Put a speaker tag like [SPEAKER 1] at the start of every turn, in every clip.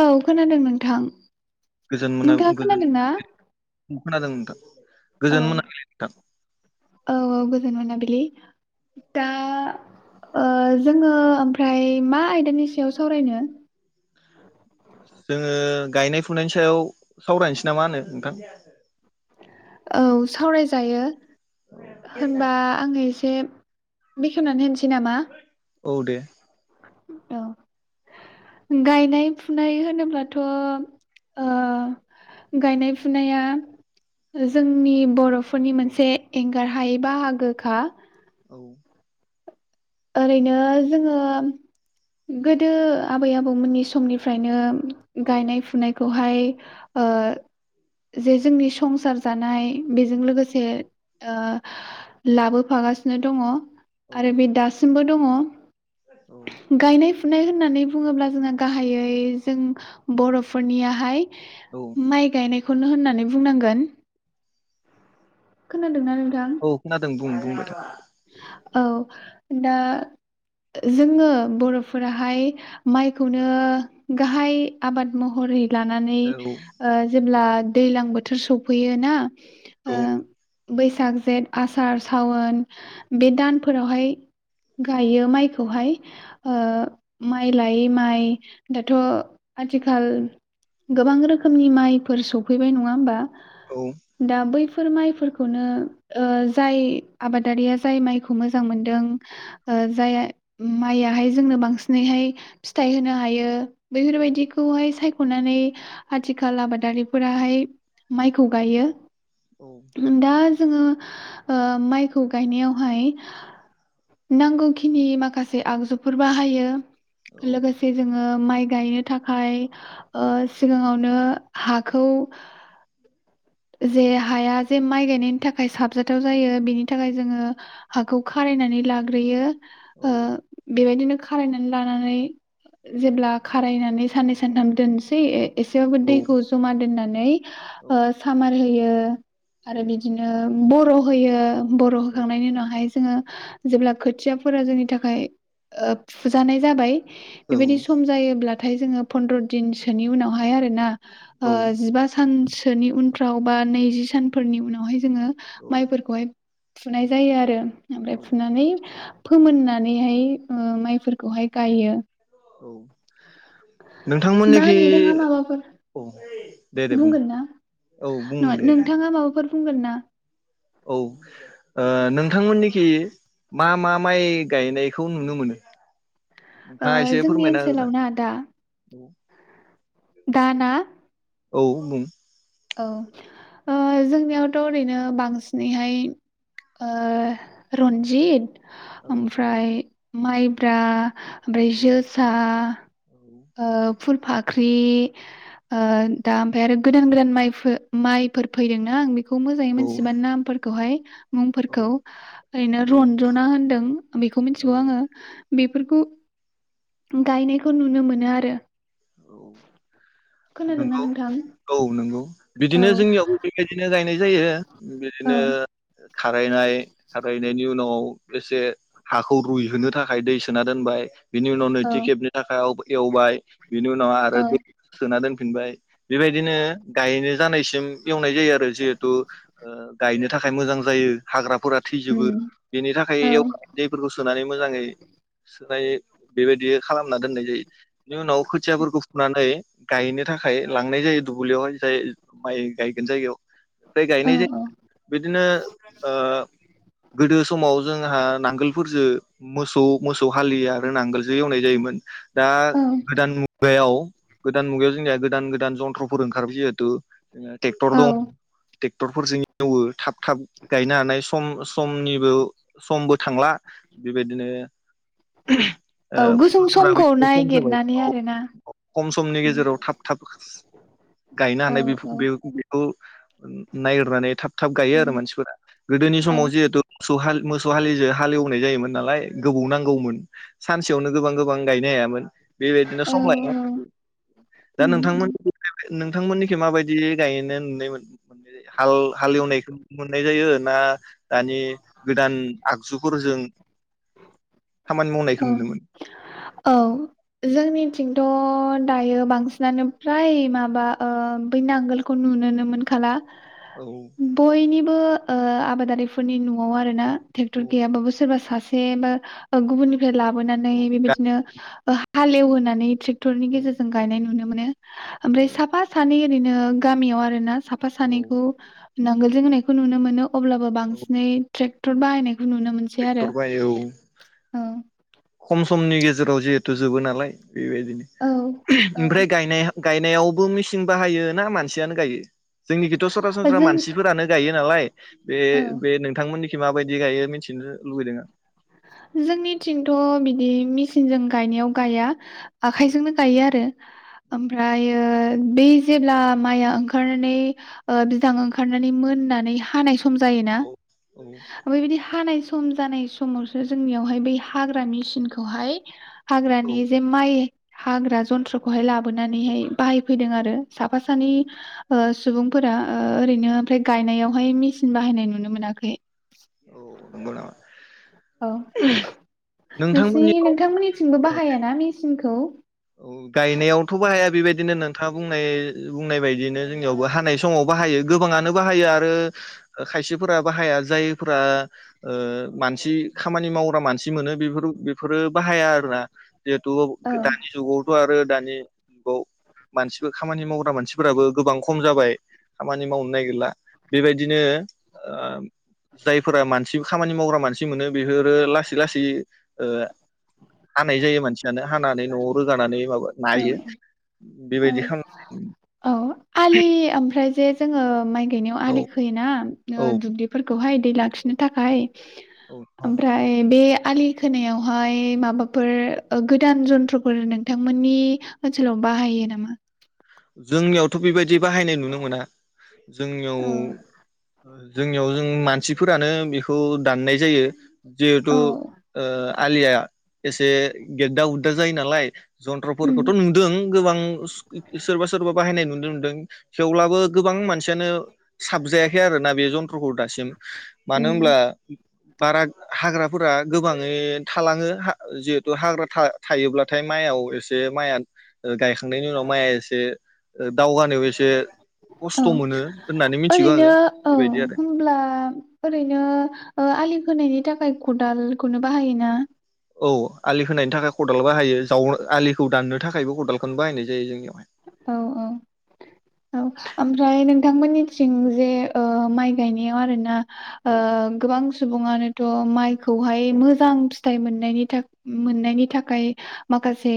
[SPEAKER 1] औ खोनादों नोंथां,
[SPEAKER 2] गोजोन मोना
[SPEAKER 1] नोंथाङा
[SPEAKER 2] गोजोन
[SPEAKER 1] खोनादों ना?
[SPEAKER 2] खोनादों नोंथां।
[SPEAKER 1] औ,
[SPEAKER 2] गोजोन मोनाबिलि नोंथां
[SPEAKER 1] औ-औ गोजोन मोनाबिलि, दा ओ जोङो ओमफ्राय मा आयदानि सायाव सावरायनो?
[SPEAKER 2] जोङो गायनाय फुनायनि सायाव सावरायनोसै नामा होनो नोंथां?
[SPEAKER 1] औ! सावरायजायो। होनबा आङो एसे बेखेवनानै होनसै नामा?
[SPEAKER 2] औ दे।
[SPEAKER 1] औ गायनाय-फुनाय होनोब्लाथ' ओ! गायनाय फुनाया जोंनि बर'फो फोरनि
[SPEAKER 2] औ
[SPEAKER 1] मोनसे एंगार हायै बाहागोखा,
[SPEAKER 2] औ
[SPEAKER 1] ओरैनो जोङो गोदो आबै-आबौमोननि समनिफ्रायनो
[SPEAKER 2] औ
[SPEAKER 1] गायनाय-फुनायखौहाय ओ जे जोंनि संसार जानाय बेजों लोगोसे ओ लाबोफागासिनो दङ आरो बे दास- मबो
[SPEAKER 2] औ
[SPEAKER 1] दङ गायनाय-फु -फुनाय होननानै बुङोब्ला जोंहा गाहायै जों बर'फोरनियाहाय
[SPEAKER 2] औ
[SPEAKER 1] माइ गायनाय खौनो होननानै बुंनांगोन। खोनादो
[SPEAKER 2] औ खोनादों बुं बुंदो। जोंहा
[SPEAKER 1] औ दा जोङो बर'फोराहाय माइखौनो गाहाय आबाद महरै लानानै
[SPEAKER 2] औ
[SPEAKER 1] ओ जेब्ला दैलां बोथोर सफैयो ना?
[SPEAKER 2] औ
[SPEAKER 1] ओं। बैसाग जेठ आसार सावोन। बे दानफोरावहाय गायो माइखौहाय ओ माइ लायै माइ दाथ आथिखाल गोबां रोखोमनि माइफोर सौफैबाय नङा होमबा? दा बैफो फोर माइफोरखौनो ओ जाय आबाद दारिया जाय माइखौ मोजां मोनदों ओ जाय माइयाहाय जोंनो बांसिनैहाय फिथाइ होनो हायो बैफोरबायदिखौहाय सायख खनानै आथिखाल आबादारिफोराहाय माइखौ गायो।
[SPEAKER 2] औ
[SPEAKER 1] उम दा जो जोङो ओ माइख खौ गायनायावहाय
[SPEAKER 2] [unintelligible]
[SPEAKER 1] नांगौखिनि माखासे आगजुफोर बाहायो। लोगोसे जोङो। माइ गायनो थाखाय ओ सिगाङावनो हाखौ जे हाया जे माइ गायनायनि थाखाय साबजाथाव जायो बिनिन थाखाय जोङो हाखौ खारायनानै लाग्रोयो। ओ बेबायदिनो खो खारायनानै लानानै जेब्ला खारायनानै साननै सानथाम दोनसैए एसेबाबो दैखौ जमा दोननानै नै ओ सामार होयो। ओ। आरो बिदिनो बर' होयो। बर' होखांनायनि उनावहायज जोङो जेब्ला खोथियाफोरा जोंनि थाखाय ओ फुजानाय जाबाय बेबायदि सम जायोब्ला नाथाय जोङो फन्द्र दिनसोनि उनावहाय आरोना ओ जिबा सान सोनि उनफ्राव बा नैजि सानफोरनि उनावहाय जोङो माइफोरखौहाय फुनाय जायो आरो ओमफ्राय फुनानै फोमोननानैहाय ओ माइफोरखौहाय गायो
[SPEAKER 2] औ
[SPEAKER 1] दा नोंथाङा माबाफोर
[SPEAKER 2] औ दे दे बुं
[SPEAKER 1] बुंगोन ना
[SPEAKER 2] औ बुं
[SPEAKER 1] नङा
[SPEAKER 2] दे
[SPEAKER 1] नोंथाङा माबाफोर बुंगोन ना
[SPEAKER 2] औ ओ नोंथांमोननिखि मा मा माइ गायनायखौ नुनो मोनो
[SPEAKER 1] ओ
[SPEAKER 2] नोंथाङा एसे
[SPEAKER 1] जोंनि
[SPEAKER 2] फोरमायना होगोन आं?
[SPEAKER 1] ओनसोलाव ना दा दाना
[SPEAKER 2] औ बुं
[SPEAKER 1] औ ओ जोंनियावथ' ओरैनो बांसिनैहाय ओ रन्जित
[SPEAKER 2] औ
[SPEAKER 1] ओमफ्राय माइब्रा ओमफ्राय
[SPEAKER 2] औ
[SPEAKER 1] जोसा ओ फुलफाख फाख्रि ओ दा ओमफ्राय आरो गोदान गोदान माइ माइफोर फैदोंना आं बे खौ मोजाङै मोनथिजोबा नामफोरखौ खौहाय मुंफोरखौ
[SPEAKER 2] औ
[SPEAKER 1] ओरैनो
[SPEAKER 2] औ
[SPEAKER 1] रनजना होन्दों बेखौ
[SPEAKER 2] औ
[SPEAKER 1] मिथिगौ आङो बेफोरखौ गायनायखौ नुनो मोनो आरो
[SPEAKER 2] औ
[SPEAKER 1] खोनादोंना
[SPEAKER 2] नंगौ
[SPEAKER 1] नोंथां
[SPEAKER 2] औ नंगौ
[SPEAKER 1] औ
[SPEAKER 2] बिदिनो जोंनियावबो बेबायदिनो गाय नाय जायो
[SPEAKER 1] औ
[SPEAKER 2] बिदिनो खारायनाय खाराय रायनायनि उनाव एसे हाखौ रुइहोनो थाखाय दै सोना दोनबाय बिनि उनाव
[SPEAKER 1] औ
[SPEAKER 2] नैथि खेबनि थाखाय एवबाय बेनि उनाव
[SPEAKER 1] औ
[SPEAKER 2] आरो दैखौ सोना दोन फिनबाय बेबायदिनो गायनो जानायसिम एवनाय जायो आरो जिहेथु ओ गायनो थाखाय मोजां जायो। हाग्राफोरा थैजोबो
[SPEAKER 1] उम
[SPEAKER 2] बेनि थाखाय
[SPEAKER 1] औ
[SPEAKER 2] एव दैफोरखौ सोनानै मोजाङै दायो बेबायदि खालामना दोननाय जायो। बेनि उनाव खोथियाफोरखौ फुनानै गायनो थाखाय लांनाय जायो दुब्लियावहाय जाय माइ गायगोन जायगायाव। ओमफाय
[SPEAKER 1] औ
[SPEAKER 2] गायनाय जायो। बिदिनो ओ गोदो समाव जोंहा नांगोलफोरजो मोसौ मोसौ हालियो आरो नांगोलजो एवनाय जायोमोन। दा
[SPEAKER 1] औ
[SPEAKER 2] मुगायाव गोदान मुगायाव जोंनिया गोदान गोदान जन्थ्रफोर ओंखारबाय जिहेथु जोङो टेक्टर दं
[SPEAKER 1] औ
[SPEAKER 2] ट्रेक्टरफोरजों एवो थाब थाब गायनो हानाय सम स समनिबो समबो थांला बेदिनो
[SPEAKER 1] औ गुसुं समखौ
[SPEAKER 2] एसे खम जाबाय
[SPEAKER 1] नायगिरना
[SPEAKER 2] औ खम समनि गेजेराव थाब थाब गायनो
[SPEAKER 1] औ
[SPEAKER 2] हानाय [unintelligible]
[SPEAKER 1] औ
[SPEAKER 2] बेखौ नागिरनानै थाब थाब गायो आरो
[SPEAKER 1] उम
[SPEAKER 2] मानसिफोरा। गोदोनि
[SPEAKER 1] औ
[SPEAKER 2] समाव जिहेथु मोसौ मोसौ हालिजों हालएवनाय जायोमोन नालाय गोबाव नांगौमोन सानसेयावनो गोबां गोबां गायनो हायामोन। बेबायदिनो
[SPEAKER 1] औ
[SPEAKER 2] [unintelligible] दा
[SPEAKER 1] उम
[SPEAKER 2] नोंथांमोन [unintelligible] नोंथांमोननिखै माबायदि? गायनाय नुनाय मोन मोननाय जायो? हाल-हालएवनायखौ मोननाय जायो ना दानि गोदान आगजुफोरजों खामानि मावनायखौ
[SPEAKER 1] औ
[SPEAKER 2] नुनोमोनो।
[SPEAKER 1] औ जोंनिथिंथ' दायो बांसिनानो फ्राय माबा ओ बै नांगोलखौ नुनोनो मोनखाला
[SPEAKER 2] औ
[SPEAKER 1] बयनि बो ओ आबादारिफोरनि न'आव आरोना टेक्टर गैयाबाबो सोरबा सासे एबा गुबुननि फ्राय लाबोनानै
[SPEAKER 2] औ
[SPEAKER 1] बेबायदि हालेवहोनानै ट्रेक्टरनि
[SPEAKER 2] औ
[SPEAKER 1] गेजेरजों गायनाय नुनो मो [inaudible] ओमफ्राय
[SPEAKER 2] औ
[SPEAKER 1] साफा सानै बिदिनो गामियाव आरो ना साफा
[SPEAKER 2] औ
[SPEAKER 1] सानैखौ नांगोलजों होनायखौ नुनो मोनो। अब्लाबो
[SPEAKER 2] औ
[SPEAKER 1] बांसिनै ट्रेक्टर बाहायनाय नुनो मोनसै आरो
[SPEAKER 2] ट्रेक्टर बायो औ
[SPEAKER 1] औ
[SPEAKER 2] खम समनि गेजेराव जिहेथु जोबो नालाय बेबायदिनो
[SPEAKER 1] औ
[SPEAKER 2] ओमफ्राय गायनाय गायनायावबो मेचिन बाहायो ना मानसियानो गायो? जोंनिखौथ'
[SPEAKER 1] औ
[SPEAKER 2] सरासनस्रा
[SPEAKER 1] जों
[SPEAKER 2] मानसिफोरानो गायो नालाय। बे
[SPEAKER 1] औ
[SPEAKER 2] बे नोंथांमोननिखि माबायदि गायो मिथिनो लुबैदों आं।
[SPEAKER 1] जोंनिथिंथ' बिदि मेचिनजों गायनायाव गाया।
[SPEAKER 2] औ
[SPEAKER 1] आखाइजोंनो गायो आरो। ओमफ्रायो बै जेब्ला माइआ ओंखारनानै बिदां ओंखारनानै मोननानै हानाय समाव सम जायोना
[SPEAKER 2] औ
[SPEAKER 1] फ्राय बिदि हानाय समजानाय समसो जोंनियावहाय बै हाग्रा मेचनखौहाय
[SPEAKER 2] औ
[SPEAKER 1] हाग्रानि जे माइ हाग्रा जन्थ्रखौहाय लाबोनानैहाय बाहायफैदों आरो। साफा
[SPEAKER 2] औ
[SPEAKER 1] सानै ओ सुबुंफोरा ओरैनो ओमफ्राय गायनायावहाय मेसिन बाहायनाय नुनो मोनाखै।
[SPEAKER 2] औ नंगौ नामा?
[SPEAKER 1] औ नोंसि
[SPEAKER 2] नोंथांमोननि
[SPEAKER 1] नोंथांमोननि थिं
[SPEAKER 2] औ
[SPEAKER 1] बाहाया ना मि सिनखौ
[SPEAKER 2] गायनायावथ' बाहाया बेबायदिनो नोंथाङा बुंनाय बुंनाय बायदिनो जोंनियावबो हानाय समाव बाहायो। गोबाङानो बाहायो आरो खायसेफोरा बाहाया जायफ्रा मानसि खामानि मावग्रा मानसि मोनो बेफोर बेफोरो बाहाया आरो ना। जेथु
[SPEAKER 1] औ
[SPEAKER 2] दानि जुगाव आरो दानि जुगाव मानसिफोर खामानि मावग्रा मानसिफोराबो गोबां खम जाबाय खामानि मावनो नागिरला बेबायदिनो जायफोरा मानसि खामानि मावग्रा मानसि मोनो बे बेफोरो लासै लासै ओ हानाय जायो मानसियानो हानानै न'आव रो जानानै
[SPEAKER 1] औ
[SPEAKER 2] नायो।
[SPEAKER 1] औ
[SPEAKER 2] बेबायदि खाम
[SPEAKER 1] औ आलि ओमफ्राय जे जोङो माइ गायनायाव
[SPEAKER 2] खालामनायाव
[SPEAKER 1] आलि खोयोना
[SPEAKER 2] औ
[SPEAKER 1] दुब्लिफोरखौहाय दै लाखिनो थाखाय
[SPEAKER 2] औ औ
[SPEAKER 1] ओमफ्राय बे आलि खोनायावहाय माबाफोर गोदान जन्थ्रफोर नोंथांमोननि ओनसोलाव बाहायो नामा?
[SPEAKER 2] जोंनियावथ' बेबायदि बाहायनाय नुनो मोना जोंनियाव
[SPEAKER 1] औ
[SPEAKER 2] जोंनियाव जों मानसिफोरानो बेखौ दाननाय जायो। जिहेतु ओ आलिया एसे गेददा गुददा जायो नालाय
[SPEAKER 1] उम
[SPEAKER 2] जन्थ्रफोरखौथ' नुदों गोबां सोरबा सोरबा बाहायनाय नुनो मोनदों थेवब्लाबो गोबां मानसियानो साबजायाखै आरोना बे जन्थ्रखौ दासिम मानो
[SPEAKER 1] उम
[SPEAKER 2] होनोमब्ला बारा हाग्राफोरा गोबाङै थालाङो जिहेथु हाग्रा थायोब्लाथाय माइआव एसे माइया गायखांनायनि उनाव माइआ से ओ
[SPEAKER 1] औ
[SPEAKER 2] होननानै मिथिगौ
[SPEAKER 1] ओरैनो
[SPEAKER 2] आङो
[SPEAKER 1] औ
[SPEAKER 2] बेबायदि आरो
[SPEAKER 1] होम्ब्ला ओरैनो आलि खोनायनि बेनि थाखाय खदालखौनो बाहायोना
[SPEAKER 2] औ आलि होनायनि थाखाय खदाल बाहायो जावनो आलिखौ दाननो थाखायबो खदालखौनो बाहायनाय जायो जोंनियाव
[SPEAKER 1] औ औ औ आमफ्राय बिथांमोननिथिं जे ओ माइ गायनायाव आरोना आ
[SPEAKER 2] औ
[SPEAKER 1] गोबां सुबङनोथ' माइखौहाय मोजां फिथाइ मोननायनि थाखाय मोननायनि थाखाय माखासे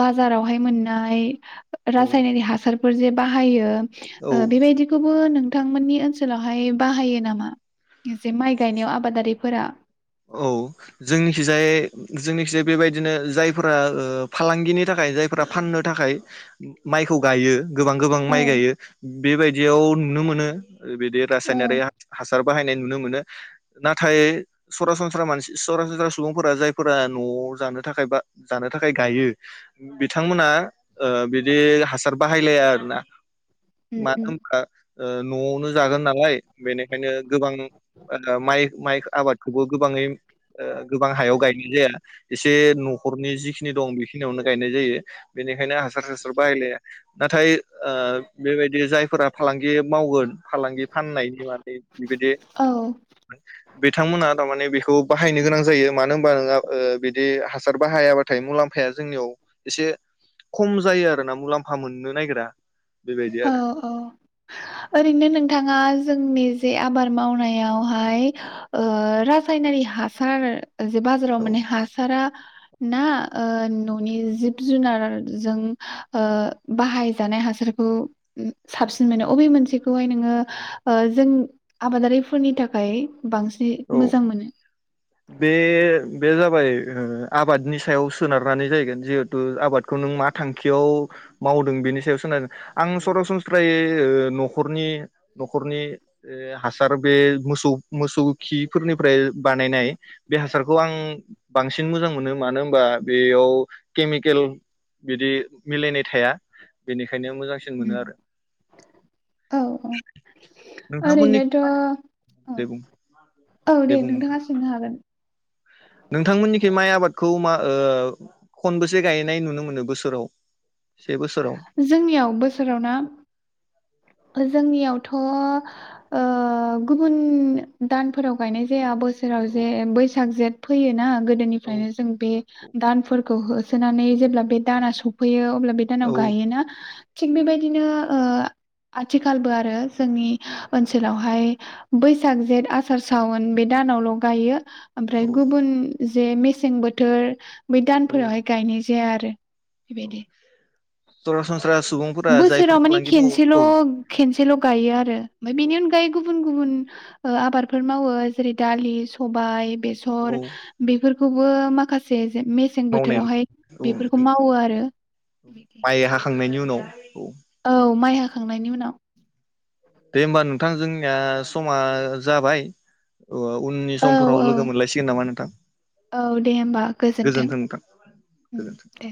[SPEAKER 1] बाजारावहाय मोननाय
[SPEAKER 2] औ
[SPEAKER 1] रासायनिारि हा जे बाहायो।
[SPEAKER 2] औ
[SPEAKER 1] ओ बेबायदिखौबो नों थांमोननि ओनसोलावहाय बाहायो नामा? एसे माइ गायनायाव आबादारि फोरा
[SPEAKER 2] औ जोंनिखिजाय जोंनिखिजाय बेबायदिनो जायफोरा ओ फालांगिनि थाखाय जायफोरा फाननो थाखाय माइखौ गायो गोबां गोबां
[SPEAKER 1] औ
[SPEAKER 2] माइ गायो। बेबायदियाव नुनो मोनो बिदि
[SPEAKER 1] औ
[SPEAKER 2] रासायनारि हा-हासार बाहायनाय नुनो मोनो नाथाय सरासनस्रा मानसि सरासनस्रा सुबुंफोरा जायफोरा न'आव जानो थाखाय बा जानो थाखाय गायो बिथांमोना ओ बिदि हासार बाहायलाया आरोना।
[SPEAKER 1] उम
[SPEAKER 2] [unintelligible] ओ
[SPEAKER 1] उम
[SPEAKER 2] न'आवनो जागोन नालाय बेनिखायनो गोबां ओ माइ माइ आबाद बो गोबाङै ओ गोबां हायाव गायनाय जाया। एसे न'खरनि जिखिनि दं बेखिनियावनो गायनाय जायो बेनिखायनो हासार सासार बाहायलाया नाथाय ओ बेबायदि जायफोरा फालांगि मावगोन फालांगि फाननायनि माने बिदि
[SPEAKER 1] औ
[SPEAKER 2] बिथांमोना थारमाने बेखौ बाहायनो गोनां जायो मानो होनबा नोङा ओ बिदि हासार बाहायाबाथाय मुलाम्फाया जोंनियाव एसे खम जायो आरोना मुलाम्फा मोननो नागिरा बेबायदि
[SPEAKER 1] औ
[SPEAKER 2] आरो
[SPEAKER 1] औ ओरैनो नोंथाङा जोंनि जे आबाद मावनायाव फाय ओ [unintelligible] रासायनारि हासार ओ जे बाजाराव
[SPEAKER 2] औ
[SPEAKER 1] मोननाय हासारा ना ओ न'नि जिब जुनार जों ओ बाहायजानाय हासार खौ साबसिन मोनो अबे मोनसेखौहाय नोङो ओ जों आबादारिफोरनि थाखाय
[SPEAKER 2] औ
[SPEAKER 1] बांसिनै मोजां मोनो?
[SPEAKER 2] बे बे जाबाय ओ आबादनि सायाव सोनारनानै जाहैगोन जिहेथु आबादखौ नों मा थांखियाव मावदों बेनि सायाव सोनारो आं सरासनस्रायै ओ न'खरनि न'खरनि ओ हासार बे मोसौ मोसौ खिफोरनिफ्राय बानायनाय बे हासारखौ आं बांसिन मोजां मोनो मानो होनबा बेयाव केमिकेल बिदि मिलायनाय थाया बेनिख
[SPEAKER 1] उम औ औ
[SPEAKER 2] नोंथांमोननि
[SPEAKER 1] ओरैनोथ' औ
[SPEAKER 2] दे बुं
[SPEAKER 1] औ दे नोंथाङा सोंनो हागोन।
[SPEAKER 2] नोंथांमोननिखै माइ आबादखौ मा ओ खनबसे गायनाय नुनो मोनो बोसोराव से बोसोराव
[SPEAKER 1] जोंनियाव बोसोराव ना ओ जोंनियावथ' ओ गुबुन दानफोराव गायनाय जाया बोस सोराव
[SPEAKER 2] औ
[SPEAKER 1] जे बैसाग जेठ फैयोना आं
[SPEAKER 2] औ
[SPEAKER 1] गोदोनिफ्रायनो जों बे दानफोरखौ हो सोनानै जेब्ला बे दाना सौफैयो अब्ला बे दानाव
[SPEAKER 2] औ
[SPEAKER 1] गायोना थिक बेबायदिनो ओ आथिखालबो आरो जोंनि ओनसोलावहाय बैसाग जेठ आसार सावन बे दानावल' गायो। ओमफ्राय
[SPEAKER 2] औ
[SPEAKER 1] गुबुन जे मेसें बोथोर बै
[SPEAKER 2] औ
[SPEAKER 1] दानफोरावहाय गायनाय जाया आरो बेदि
[SPEAKER 2] सरासन
[SPEAKER 1] बोसोराव माने खेनसेल' खेनसेल' गायो आरो ओमफ्राय बेनि अनगायै गुबु गुबुन गुबुन आबादफोर मावो जेरै दालि सबाय बेसर
[SPEAKER 2] औ
[SPEAKER 1] बेफोर खौबो माखासे मेसें
[SPEAKER 2] मावनाय
[SPEAKER 1] बोथोरावहाय
[SPEAKER 2] औ
[SPEAKER 1] बेफोरखौ मावो आरो
[SPEAKER 2] नाव औ
[SPEAKER 1] औ माइ हाखांनायनि उनाव
[SPEAKER 2] दे होमबा नोंथां जोंनिया समा जाबाय ओ उननि
[SPEAKER 1] औ
[SPEAKER 2] समफोराव
[SPEAKER 1] औ
[SPEAKER 2] लोगो मोनलायसिगोन नामा नोंथां
[SPEAKER 1] औ दे होमबा
[SPEAKER 2] गोजोन्थों नोंथां
[SPEAKER 1] उम
[SPEAKER 2] गोजोनथों।
[SPEAKER 1] दे